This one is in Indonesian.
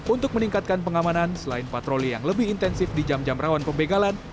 untuk meningkatkan pengamanan selain patroli yang lebih intensif di jam jam rawan pembegalan